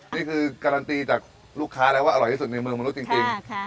นี่คือการันตีจากลูกค้าแล้วว่าอร่อยที่สุดในเมืองมนุษย์จริง